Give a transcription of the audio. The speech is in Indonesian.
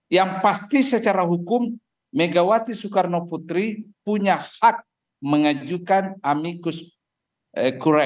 yang pasti secara hukum megawati soekarno putri punya hak mengajukan amikus